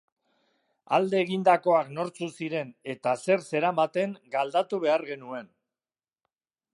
Alde egindakoak nortzuk ziren eta zer zeramaten galdatu behar genuen.